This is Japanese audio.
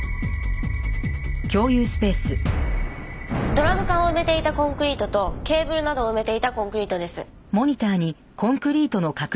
ドラム缶を埋めていたコンクリートとケーブルなどを埋めていたコンクリートです。